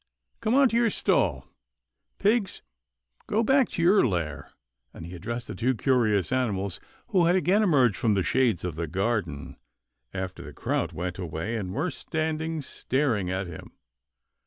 Come on to your stall — Pigs, go back to your lair," and he ad dressed the two curious animals who had again emerged from the shades of the garden, after the crowd went away, and were standing staring at him.